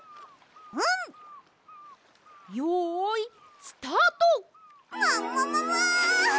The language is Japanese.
よいスタート！もももも！